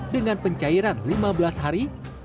dengan pencairan lima belas hari